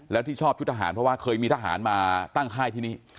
แล้วที่ชอบชุดทหารเพราะว่าเคยมีทหารมาตั้งค่ายที่นี่